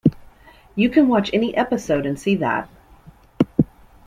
You can watch any episode and see that.